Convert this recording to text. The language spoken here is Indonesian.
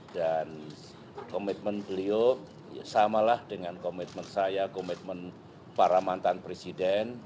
dan komitmen beliau samalah dengan komitmen saya komitmen para mantan presiden